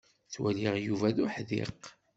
Ttwaliɣ Yuba d uḥdiq.